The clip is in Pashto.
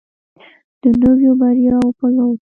د نویو بریاوو په لور.